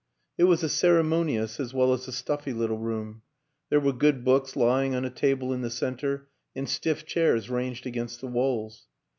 It was a ceremonious as well as a stuffy little room; there were good books lying on a table in the center and stiff chairs ranged against the walls.